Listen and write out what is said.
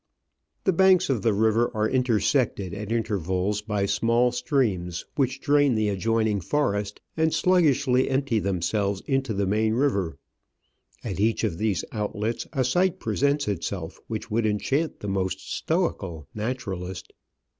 The banks of the river are intersected at intervals by small streams, which drain the adjoining forest and sluggishly empty themselves into the main river. At each of these outlets a sight presents itself which would enchant the most stoical naturalist.